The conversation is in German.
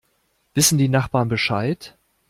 Wissen die Nachbarn Bescheid?